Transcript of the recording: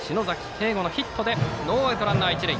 景琥のヒットでノーアウトランナー、一塁。